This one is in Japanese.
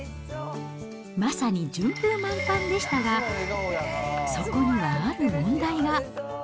まさに順風満帆でしたが、そこにはある問題が。